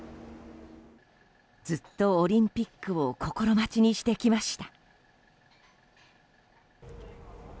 ずっとオリンピックを心待ちにしてきました。